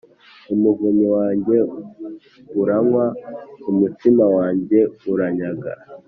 umuvinyu wanjye uranywa, umutsima wanjye uranyaga.